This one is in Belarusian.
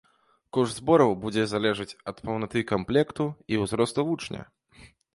Кошт збораў будзе залежаць ад паўнаты камплекту і ўзросту вучня.